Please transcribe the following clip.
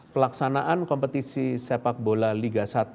pelaksanaan kompetisi sepak bola ligasi